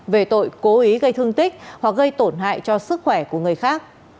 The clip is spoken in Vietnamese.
về tội cố ý gây thương tích hoặc gây tổn hại cho sức khỏe của người khác